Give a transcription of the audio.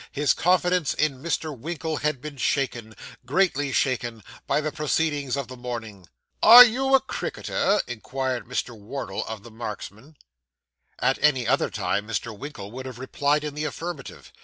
His confidence in Mr. Winkle had been shaken greatly shaken by the proceedings of the morning. 'Are you a cricketer?' inquired Mr. Wardle of the marksman. At any other time, Mr. Winkle would have replied in the affirmative.